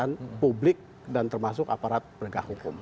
pengawasan publik dan termasuk aparat pegah hukum